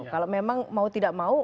kalau memang mau tidak mau